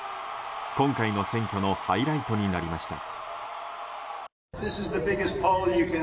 今回の選挙のハイライトになりました。